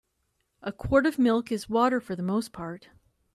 A quart of milk is water for the most part.